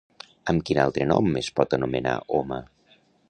Amb quin altre nom es pot anomenar Homa?